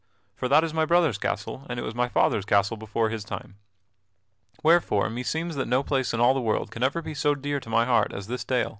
For that is my brother's castle and it was my father's castle before his time; wherefore meseems that no place in all the world can ever be so dear to my heart as this dale."